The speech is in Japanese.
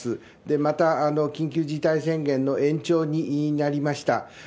また緊急事態宣言の延長になりました。